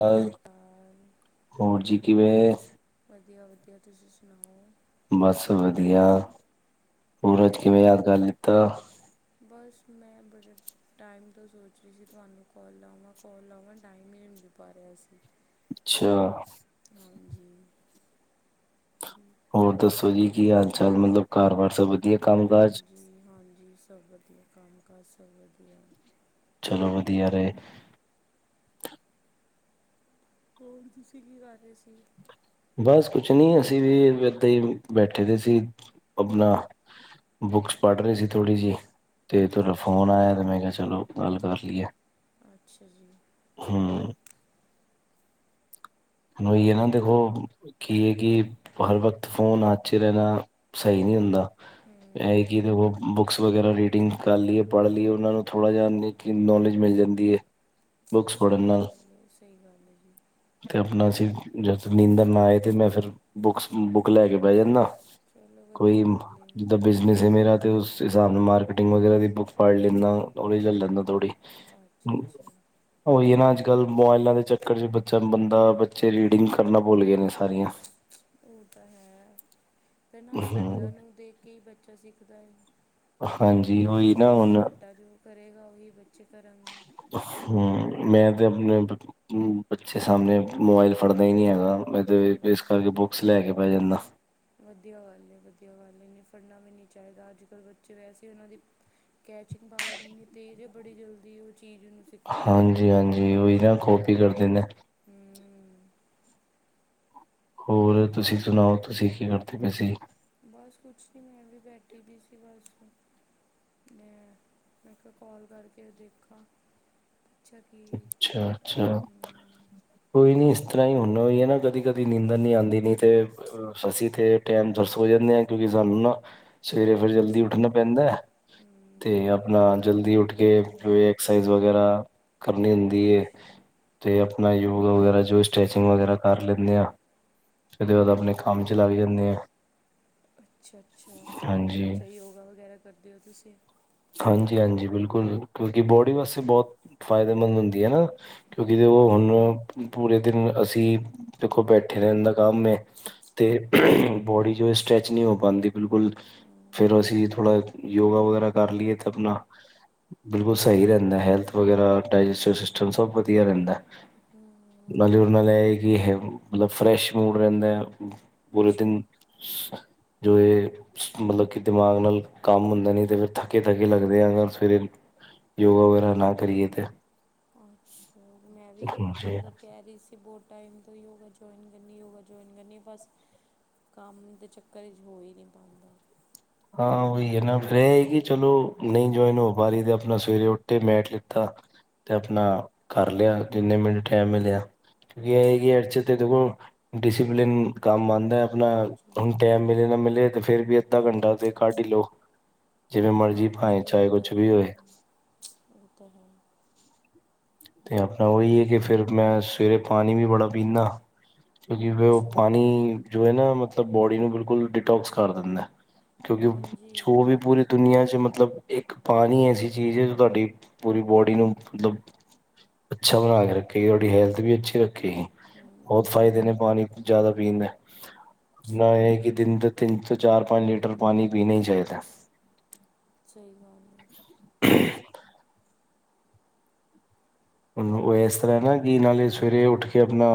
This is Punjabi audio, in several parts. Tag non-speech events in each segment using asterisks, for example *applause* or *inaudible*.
ਪਰ ਹੋਰ ਜੀ ਕਿਵੇਂ? ਵਧੀਆ, ਵਧੀਆ। ਤੁਸੀਂ ਸੁਣਾਓ? ਬਸ ਵਧੀਆ। ਹੋਰ ਅੱਜ ਕਿਵੇਂ ਯਾਦ ਕਰ ਲਿੱਤਾ। ਬਸ, ਮੈਂ ਬੜਾ- ਟਾਈਮ ਤੋਂ, ਸੋਚ ਰਹੀ ਸੀ। ਤੁਹਾਨੂੰ ਕੋਾਲ ਲਾਵਾਂ, ਕੋਾਲ ਲਾਵਾਂ। ਟਾਈਮ ਹੀ ਨੀ ਮਿਲ ਪਾ ਰਿਹਾ ਸੀ। ਅੱਛਾ। ਹਾਂਜੀ। ਹੋਰ ਦੱਸੋ ਜੀ। ਕੀ ਹਾਲ- ਚਾਲ ਮਤਲਬ, ਕਾਰ ਵਾਰ ਸਭ? ਵਧੀਆ ਕੰਮ ਕਾਜ? ਹਾਂਜੀ- ਹਾਂਜੀ, ਸਭ ਵਧੀਆ। ਕੰਮ ਕਾਜ ਸਭ ਵਧੀਆ। ਚਲੋ ਵਧੀਆ ਰਹੇ। ਹੋਰ ਤੁਸੀਂ ਕੀ, ਕਰ ਰਹੇ ਸੀ? ਬਸ ਕੁਛ ਨਹੀਂ। ਅਸੀਂ ਵੀ ਇਏਦਾਂ ਹੀ ਬੈਠੇ ਦੇ ਸੀ, ਆਪਣਾ। ਬੁੱਕਸ ਪੜ, ਰਹੇ ਸੀ ਥੋੜੀ ਜਿਹੀ। ਤੇ ਤੁਹਾਡਾ ਅੱਛਾ ਅੱਛਾ ਫੋਨ ਆਇਆ ਤੇ ਮੈਂ ਕਿਹਾ ਚਲੋ, ਗੱਲ ਕਰ ਲਈਏ। ਅੱਛਾ ਜੀ। ਹੂੰ। ਇਹ ਔਹੀ ਹੈਨਾ ਦੇਖੋ ਕੀ ਹੈ ਕਿ ਹਰ ਵਕਤ ਫੋਨ ਹਥ ਚ ਲੈਣਾ ਸਹੀ ਨਹੀਂ ਹੁੰਦਾ। ਇਹ ਹੂੰ ਕਿਦੇ ਉਹ ਬੁੱਕਸ ਵਗੈਰਾ ਰੀਡਿੰਗ ਕਰ ਲਈਏ, ਪੜ੍ਹ ਲਈਏ ਉਹਨਾਂ ਨੂੰ ਥੋੜ੍ਹਾ ਜਿਹਾ ਨ ਨੌਲੇਜ ਮਿਲ ਜਾਂਦੀ ਹੈ। *inaudible* ਪੜ੍ਹਨ ਸਹੀ ਨਾਲ ਗੱਲ ਹੈ-ਸਹੀ ਗੱਲ ਹੈ ਜੀ। ਤੇ ਆਪਣਾ ਜਦ ਨੀਂਦਰ ਨਾ ਆਏ ਤੇ ਮੈਂ ਫਿਰ ਬੁੱਕਸ-ਬੁੱਕ ਲੈ ਕੇ ਬਹਿ ਜਾਂਦਾ। ਚਲੋ ਕੋਈ ਵਧੀਆ ਗੱਲ ਜਿੱਦਾਂ ਹੈ ਬਿਜਨਸ ਹੈ ਮੇਰਾ ਤੇ ਉਸ ਹਿਸਾਬ ਨਾਲ ਮਾਰਕੀਟਿੰਗ ਵਗੈਰਾ ਦੀ ਬੁੱਕ ਪੜ ਲੈਂਦਾ, ਨਾਲੱਜ ਲੈ ਲੈਂਦਾ ਥੋੜ੍ਹੀ ਅੱਛਾ ਅੱਛਾ ਉਹੀ ਹੈ ਨਾ, ਅੱਜ-ਕੱਲ੍ਹ ਮੋਬਾਇਲਾਂ ਦੇ ਚੱਕਰ ਚ ਬੱਚਾ ਬੰ ਤਾ ਬੱਚੇ ਰੀਡਿੰਗ ਕਰਨਾ ਭੁਲ ਗਏ ਨੇ ਸਾਰੀਆਂ। ਉਹ ਤਾਂ ਹੈ, ਤੇ ਨਾਲੇ ਹਮ, ਵੱਡਿਆਂ ਨੂੰ ਦੇਖ ਕੇ ਹੀ ਬੱਚਾ ਸਿੱਖਦਾ ਹੈ। ਹਾਂਜੀ ਉਹੀ ਨਾ ਬ ਹੁਣ ਵੱਡਾ ਜੋ ਕਰੇਗਾ, ਉਹੀ ਬੱਚੇ ਕਰਾਂਗੇ। ਹੂੰ, ਮੈਂ ਤਾਂ ਆਪਣੇ ਬੱਚੇ ਸਾਹਮਣੇ ਮੋਬਾਇਲ ਫੜਦਾ ਹੀ ਨਹੀਂ ਹੈਗਾ। ਮੈਂ ਤੇ ਇਸ ਕਰਕੇ ਚਲੋ ਬੁੱਕਸ ਲੈ ਕੇ ਬੈ ਜਾਂਦਾ। ਵਧੀਆ ਗੱਲ ਹੈ-ਵਧੀਆ ਗੱਲ ਹੈ, ਨਹੀਂ ਫੜਨਾ ਵੀ ਨਹੀਂ ਚਾਹੀਦਾ ਅੱਜ-ਕੱਲ੍ਹ ਬੱਚੇ ਵੈਸੇ ਉਹਨਾਂ ਦੀ ਕੈਚਿੰਗ ਪਾਵਰ ਇੰਨੀ ਤੇਜ਼ ਹੈ ਬੜੀ ਜਲਦੀ ਉਹ ਚੀਜ਼ ਉਹਨੂੰ ਹਾਂਜੀ-ਹਾਂਜੀ, ਉਹੀ ਨਾ ਕੋਪੀ ਕਰਦੇ ਨੇ। ਹੂੰ। ਹੋਰ, ਤੁਸੀਂ ਸੁਣਾਓ ਤੁਸੀਂ ਕੀ ਕਰਦੇ ਪਏ ਸੀ? ਬਸ, ਕੁਛ ਨੀ ਮੈਂ ਵੀ ਬੈਠੀ ਵੀ ਸੀ ਬਸ। ਮੈਂ-ਮੈਂ ਕਿਹਾ ਕਾਲ ਕਰਕੇ ਦੇਖਾਂ। ਅੱਛਾ ਕੀ ਅੱਛਾ-ਅੱਛਾ। ਹੂੰ ਕੋਈ ਨੀ ਇਸ ਤਰ੍ਹਾਂ ਹੀ ਹੁਣ, ਹੋਈ ਹੈ ਨਾ ਕਦੀ-ਕਦੀ ਨੀਂਦਣ ਨੀ ਆਉਂਦੀ ਨੀ ਤੇ ਅਸੀਂ ਤੇਥੇ ਟਾਈਮ ਦਰ ਸੋ ਜਾਂਦੇ ਹਾਂ ਕਿਉਂਕਿ ਸਾਨੂੰ ਨਾ ਸਵੇਰੇ ਫਿਰ ਸ ਜਲਦੀ ਉੱਠਣਾ ਪੈਂਦਾ ਹੂੰ ਤੇ ਆਪਣਾ ਜਲਦੀ ਉੱਠ ਉਹ ਕੇ ਤੇ ਫਿਰ ਹੈ ਐਕਸਰਸਾਈਜ਼ ਵਗੈਰਾ ਕਰਨੀ ਹੁੰਦੀ ਹੈ। ਅੱਛਾ ਤੇ ਆਪਣਾ ਯੋਗਾ ਵਗੈਰਾ ਜੋ ਸਟ੍ਰੈਚਿੰਗ ਵਗੈਰਾ ਕਰ ਲੈਂਦੇ ਹਾ। ਫਿਰ ਉਹਦੇ ਬਾਅਦ ਆਪਣੇ ਕੰਮ ਚਲਾ ਵੀ ਜਾਂਦੇ ਆ। ਹਾਂਜੀ ਅੱਛਾ-ਅੱਛਾ-ਅੱਛਾ, ਯੋਗਾ ਵਗੈਰਾ ਕਰਦੇ ਹੋ ਤੁਸੀਂ। ਹਾਂਜੀ-ਹਾਂਜੀ, ਬਿਲਕੁਲ ਕਿਉਂਕਿ ਬੋਡੀ ਵਾਸਤੇ ਬਹੁਤ ਫਾਇਦੇਮੰਦ ਹੁੰਦੀ ਹੈਨਾ। ਕਿਉਂਕਿ ਦੇਖੋ ਹੂੰ ਹੁਣ ਪੂਰੇ ਦਿਨ ਅਸੀਂ ਦੇਖੋ ਬੈਠੇ ਰਹਿਣ ਦਾ ਕੰਮ ਹੈ। ਤੇ ਬੋਡੀ ਜੋ ਸਟ੍ਰੈਚ ਨਹੀਂ ਹੋ ਪਾਉਂਦੀ ਬਿਲਕੁਲ ਹੂੰ ਫੇਰ ਅਸੀਂ ਥੋੜਾ ਯੋਗਾ ਵਗੈਰਾ ਕਰ ਲਈਏ ਤਾਂ ਆਪਣਾ ਬਿਲਕੁਲ, ਸਹੀ ਰਹਿੰਦਾ ਹੈਲਥ ਵਗੈਰਾ ਡਾਇਜਿਸ ਸਿਸਟਮ ਸਭ ਵਧਿਆ ਰਹਿੰਦਾ। ਉਹ ਨਾਲੇ ਤਾਂ ਉਹਦੇ ਨਾਲ ਹੈਗਾ ਇਹ ਕਿ ਮਤਲਬ ਫਰੈਸ਼ ਮੂਡ ਰਹਿੰਦਾ ਹੈ ਪੂਰੇ ਅੱਛਾ ਦਿਨ। ਜੋ ਇਹ ਮਤਲਬ ਕਿ ਦਿਮਾਗ ਨਾਲ ਕੰਮ ਹੁੰਦਾ ਨੀ ਤੇ ਫਿਰ ਥੱਕ ਥਕੇ-ਥਕੇ ਲੱਗਦੇ ਆ ਅਗਰ ਸਵੇਰੇ ਯੋਗਾ ਵਗੈਰਾ ਨਾ ਕਰੀਏ ਤੇ ਅੱਛਾ। ਮੈਂ ਵੀ ਹਾਂਜੀ ਮਤਲਬ ਕਹਿ ਰਹੀ ਸੀ ਬਹੁਤ ਟਾਈਮ ਤੋਂ ਯੋਗਾ ਜਇਨ ਕਰਨੀ- ਯੋਗਾ ਜਇਨ ਕਰਨੀ ਬਸ ਕੰਮ ਦੇ ਚੱਕਰ ਚ ਹੋ ਹੀ ਨਹੀਂ ਪਾਉਂਦਾ। ਹਾਂ, ਉਹੀ ਹੈ ਨਾ ਫੇਰ ਇਹੀ ਹੈ ਕਿ ਚਲੋ ਨਹੀਂ ਜੁਆਇਨ ਹੋ ਪਾ ਰਹੀ ਤੇ ਆਪਣਾ ਸਵੇਰੇ ਉੱਠੇ ਮੈਟ ਲਿੱਤਾ ਤੇ ਆਪਣਾ ਕਰ ਲਿਆ ਜਿੰਨੇ ਮਿੰਟ ਟਾਈਮ ਮਿਲਿਆ। ਕਿਉਂਕਿ ਇਹ ਹੈ ਕਿ ਹਰ ਚੀਜ ਤੇ ਦੇਖੋ ਡਿਸਿਪਲਿਨ ਕੰਮ ਆਉਂਦਾ। ਆਪਣਾ ਬਹੁਤ ਹੁਣ ਜ਼ਰੂਰੀ ਹੈ ਟੈਮ ਮਿਲੇ ਨਾ ਮਿਲੇ ਤੇ ਫੇਰ ਵੀ ਅੱਧਾ ਘੰਟਾ ਤੇ ਕੱਢ ਹੀ ਲਓ। ਜਿਵੇਂ ਮਰਜ਼ੀ ਹਾਂਜੀ ਉਹ ਭਾਏ-ਚਾਹੇ ਤਾਂ ਕੁਛ ਵੀ ਹੈ ਹੋਏ। ਉਹ ਤਾਂ ਹੈਹੀ। ਅਤੇ ਆਪਣਾ ਉਹ ਇਹ ਹੈ ਕਿ ਫਿਰ ਮੈਂ ਸਵੇਰੇ ਪਾਣੀ ਵੀ ਬੜਾ ਪੀਂਦਾ। ਕਿਉਂਕਿ ਉਹ ਅੱਛਾ ਪਾਣੀ ਜੋ ਹੈ ਨਾ ਮਤਲਬ ਬੋਡੀ ਨੂੰ ਬਿਲਕੁਲ ਡਿਟੋਕਸ ਕਰ ਦਿੰਦਾ। ਕਿਉਂਕਿ ਹਾਂਜੀ ਉਹ ਜੋੋ ਤਾਂ ਵੀ ਪੂਰੀ ਹੈ ਦੁਨੀਆਂ 'ਚ ਮਤਲਬ। ਇੱਕ ਪਾਣੀ ਐਸੀ ਚੀਜ਼ ਹੈ ਜੋ ਤੁਹਾਡੀ ਪੂਰੀ ਬੋਡੀ ਨੂੰ ਮਤਲਬ। ਅੱਛਾ ਬਣਾ ਕੇ ਰੱਖੇਗੀ ਤੁਡੀ ਹੈਲਥ ਵੀ ਅੱਛੀ ਰੱਖੇਗੀ ਬਹੁਤ ਫ਼ਾਇਦੇ ਨੇ ਹੂੰ ਪਾਣੀ। ਜ਼ਿਆਦਾ ਪੀਦਾ। ਨਾ ਇਹ ਕਿ ਦਿਨ ਤੋਂ ਤਿੰਨ ਤੋਂ ਚਾਰ ਪੰਜ ਲੀਟਰ ਪਾਣੀ ਪੀਣਾ ਹੀ ਚਾਹੀਦਾ। ਸਹੀ ਗੱਲ ਇਹਦੇ ਵਿੱਚ। ਉਹ ਇਸ ਤਰ੍ਹਾਂ ਨਾ ਕਿ ਨਾਲੇ ਸਵੇਰੇ ਉੱਠ ਕੇ ਆਪਣਾ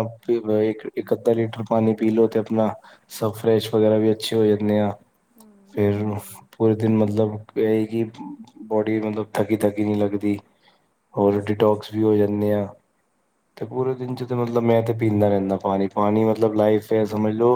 ਇੱਕ ਅੱਧਾ ਲੀਟਰ। ਪਾਣੀ ਪੀ ਲਓ ਤੇ ਆਪਣਾ ਸਭ ਫਰੈਸ਼ ਵਗੈਰਾ ਵੀ ਅੱਛੇ ਹੋ ਜਾਂਦੇ ਆ। ਹੂੰ ਫੇਰ ਹੂੰ ਪੂਰੇ ਦਿਨ ਮਤਲਬ ਇਹ ਕਿ। ਬੋਡੀ ਮਤਲਬ ਥੱਕੀ ਥੱਕੀ ਨਹੀਂ ਲੱਗਦੀ ਹੋਰ ਅੱਛਾ ਅੱਛਾ ਡੀਟੋਕਸ ਵੀ ਹੋ ਜਾਂਦੇ ਆ। ਤੇ ਪੂਰੇ ਦਿਨ ਚ ਮਤਲਬ ਮੈਂ ਤੇ ਪੀਂਦਾ ਰਹਿੰਦਾ ਪਾਣੀ- ਪਾਣੀ ਮਤਲਬ ਲਾਈਫ ਸਮਝ ਲੋ।